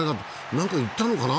何か言ったのかな。